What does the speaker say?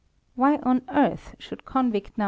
Why on earth should convict No.